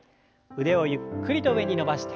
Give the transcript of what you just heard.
腕をゆっくりと上に伸ばして。